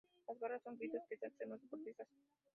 Las barras son gritos que hacen los deportistas.